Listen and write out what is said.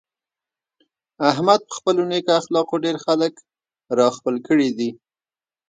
احمد په خپلو نېکو اخلاقو ډېر خلک را خپل کړي دي.